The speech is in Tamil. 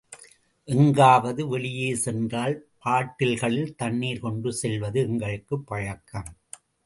எங்காவது வெளியே சென்றால் பாட்டில்களில் தண்ணீர் கொண்டு செல்வது எங்களுக்குப் பழக்கம்.